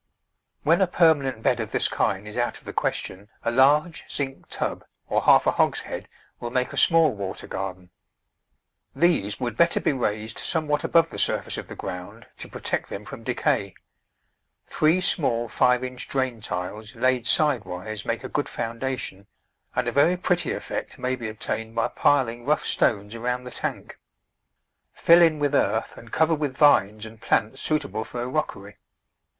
When a permanent bed of this kind is out of the question, a large zinc tub, or half a hogshead, will make a small water garden. These would better be raised somewhat above the surface of the ground to protect them from decay. Three small five inch drain tiles laid sidewise make a good foundation, Digitized by Google i68 The Flower Garden [Chapter and a very pretty effect may be obtained by piling rough stones around the tank. Fill in with earth and cover with vines and plants suitable for a rockery.